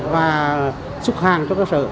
và súc hàng cho cơ sở